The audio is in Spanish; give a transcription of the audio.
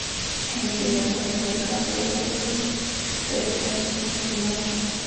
En el primer cuartel, en campo de gules, tres conchas de oro bien ordenadas.